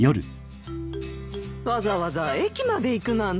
わざわざ駅まで行くなんて。